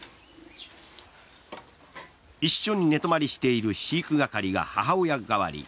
一緒に寝泊まりしている飼育係が母親代わり。